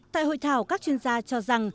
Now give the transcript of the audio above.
tại hội thảo các chuyên gia cho rằng